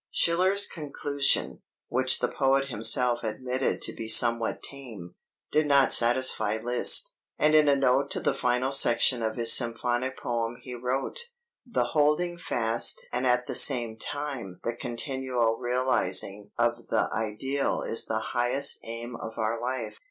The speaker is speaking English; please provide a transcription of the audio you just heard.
Schiller's conclusion, which the poet himself admitted to be somewhat tame, did not satisfy Liszt, and in a note to the final section of his symphonic poem he wrote: "The holding fast and at the same time the continual realizing of the ideal is the highest aim of our life.